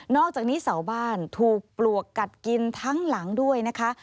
อกจากนี้เสาบ้านถูกปลวกกัดกินทั้งหลังด้วยนะคะ